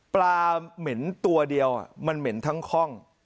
เหม็นตัวเดียวมันเหม็นทั้งคล่อง